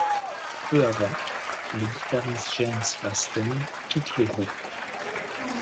Peu avant, le guitariste Jens Basten quitte le groupe.